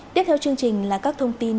tiếp theo chương trình là các thông tin